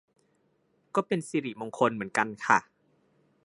ก็เป็นสิริมงคลเหมือนกันค่ะ